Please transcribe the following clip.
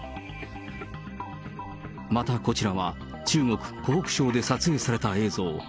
またこちらは、中国・湖北省で撮影された映像。